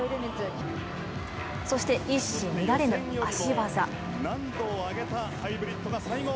そして一糸乱れぬ足技。